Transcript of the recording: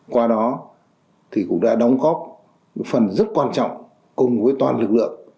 qua đó cũng đã đóng góp phần rất quan trọng cùng với toàn lực lượng